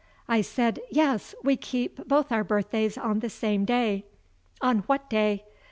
I said: "Yes; we keep both our birthdays on the same day." "On what day?"